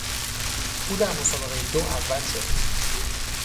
او در مسابقهی دو اول شد.